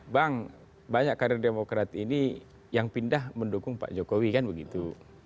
bang banyak karir demokrat ini yang pindah mendukung pak jokowi kan begitu